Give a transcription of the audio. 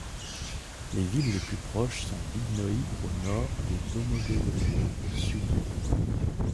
Les villes les plus proches sont Vidnoïe au nord et Domodedovo au sud.